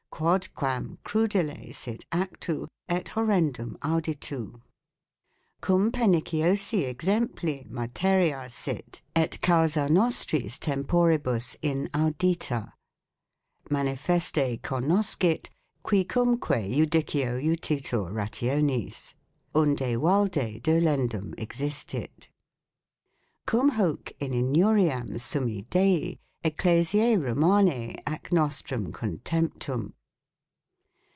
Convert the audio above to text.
quod quam crudele sit actu. et horrendum auditu ; cum perniciosi exempli materia sit et causa nostris temporibus inaudita ; manifeste cognoscit. quicumque iudicio utitur rationis. unde ualde dolendum existit. cum hoc in iniuriam summi dei. ecclesie Romarie ac nostrum contemptum.